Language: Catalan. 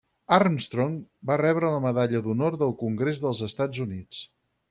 Armstrong va rebre la Medalla d'Honor del Congrés dels Estats Units.